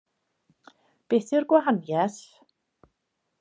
Beth yw'r gwahaniaeth?